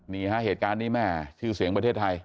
นี่ฮะเหตุการณ์นี้แม่ชื่อเสียงประเทศไทย